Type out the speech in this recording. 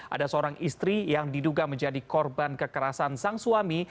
ada seorang istri yang diduga menjadi korban kekerasan sang suami